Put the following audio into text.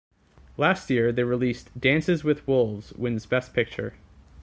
Last year, they released "Dances with Wolves" wins Best Picture.